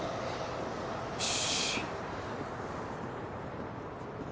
よし。